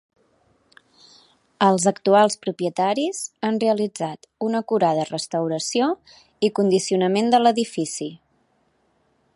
Els actuals propietaris han realitzat una acurada restauració i condicionament de l'edifici.